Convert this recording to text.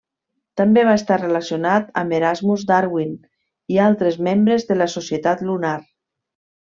També va estar relacionat amb Erasmus Darwin i altres membres de la Societat lunar.